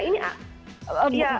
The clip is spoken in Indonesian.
nah ini ah